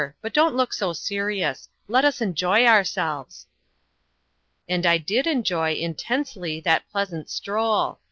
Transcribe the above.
But don't look so serious. Let us enjoy ourselves." And I did enjoy, intensely, that pleasant stroll.